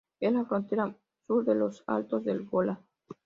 Es la frontera sur de los Altos del Golán.